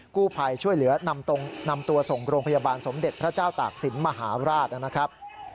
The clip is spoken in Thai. กู้ภัยช่วยเหลือนำตัวส่งโรงพยาบาลสมเด็จพระเจ้าตากศิลป์มหาราชนะครับ